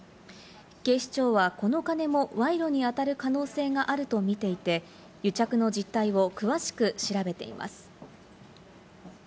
警視庁は、この金も賄賂にあたる可能性があると見ていて、癒着の実態を詳しく調べています。